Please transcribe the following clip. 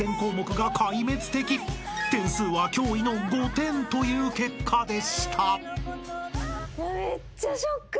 ［点数は驚異の５点という結果でした］